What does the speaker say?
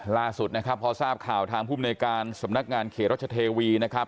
ล่าสุดนะครับพอทราบข่าวทางภูมิในการสำนักงานเขตรัชเทวีนะครับ